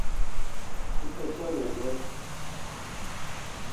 Asimismo se mostraba contraria a la conversión forzosa de los judíos.